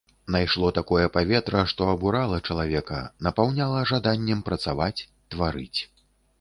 Найшло такое паветра, што абурала чалавека, напаўняла жаданнем працаваць, тварыць.